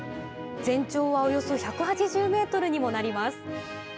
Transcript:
全長はおよそ１８０ｍにもなります。